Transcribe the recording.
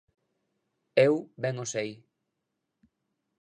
Eu ben o sei.